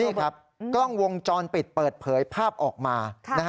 นี่ครับกล้องวงจรปิดเปิดเผยภาพออกมา